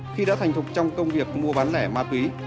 khi đã thành thục trong công việc mua bán lẻ ma túy